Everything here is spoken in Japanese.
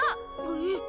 えっ？